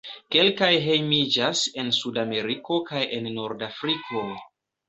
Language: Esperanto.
Kelkaj hejmiĝas en Sudameriko kaj en Nordafriko.